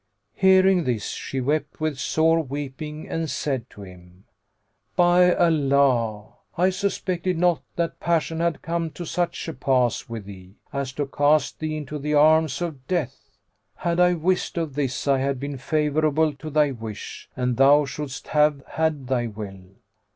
Hearing this, she wept with sore weeping and said to him, "By Allah, I suspected not that passion had come to such a pass with thee, as to cast thee into the arms of death! Had I wist of this, I had been favourable to thy wish, and thou shouldst have had thy will."